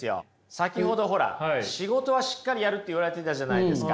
先ほどほら仕事はしっかりやるって言われてたじゃないですか。